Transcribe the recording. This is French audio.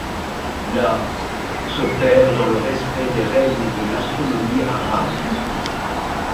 La s'opère dans le respect des règles de l'astronomie arabe.